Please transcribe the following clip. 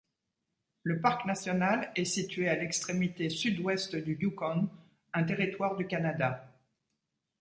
Le parc national est située à l'extrémité sud-ouest du Yukon, un territoire du Canada.